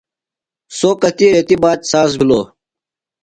سوۡ کتیۡ ریتی باد ساز بِھلوۡ۔